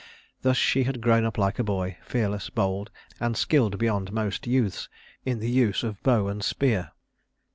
Thus she had grown up like a boy, fearless, bold, and skilled beyond most youths in the use of the bow and spear.